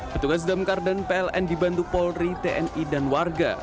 petugas damkar dan pln dibantu polri tni dan warga